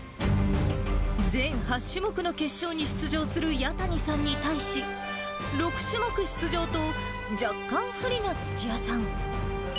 全８種目の決勝に出場する弥谷さんに対し、６種目出場と、若干不利な土屋さん。